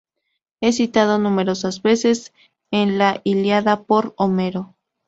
Es citado numerosas veces en la "Ilíada" por Homero.